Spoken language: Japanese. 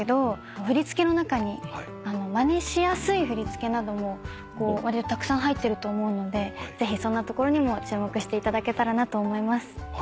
振り付けの中にまねしやすい振り付けなどもわりとたくさん入ってると思うのでぜひそんなところにも注目していただけたらなと思います。